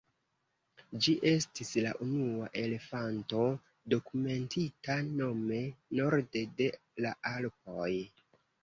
Ĝi estis la unua elefanto dokumentita nome norde de la Alpoj.